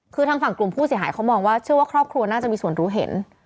คือทางฝั่งกลุ่มผู้เสียหายเขามองว่าเชื่อว่าครอบครัวน่าจะมีส่วนรู้เห็น